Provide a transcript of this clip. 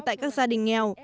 tại các gia đình nghèo